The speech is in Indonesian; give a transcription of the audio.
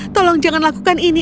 tolong jangan lakukan ini